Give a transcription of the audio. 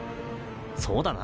そうだな。